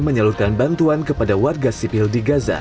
menyalurkan bantuan kepada warga sipil di gaza